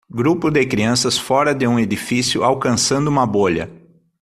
grupo de crianças fora de um edifício, alcançando uma bolha